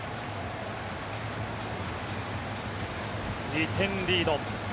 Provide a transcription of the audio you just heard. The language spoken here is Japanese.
２点リード。